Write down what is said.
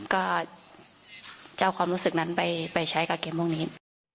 ก็จะเอาความรู้สึกนั้นไปใช้กับเกมพวกนี้